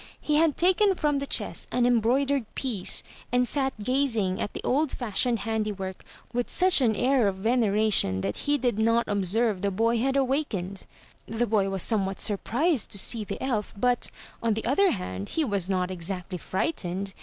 He had taken from the chest an embroidered piece, and sat gazing at the old fashioned handi work with such an air of veneration that he did not observe the boy had awakened. The boy was somewhat surprised to see the elf, but, on the other hand, he was not exactly frightened.